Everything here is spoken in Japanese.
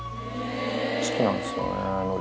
好きなんですよね、のり。